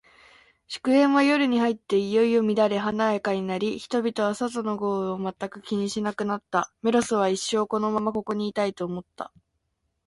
祝宴は、夜に入っていよいよ乱れ華やかになり、人々は、外の豪雨を全く気にしなくなった。メロスは、一生このままここにいたい、と思った。